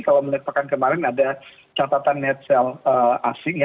kalau melihat pekan kemarin ada catatan netsel asing